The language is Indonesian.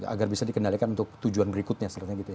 agar bisa dikendalikan untuk tujuan berikutnya